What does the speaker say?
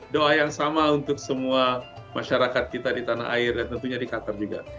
doa yang sama untuk semua masyarakat kita di tanah air dan tentunya di qatar juga